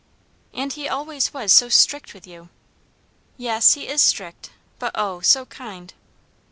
"And he always was so strict with you." "Yes, he is strict; but oh, so kind."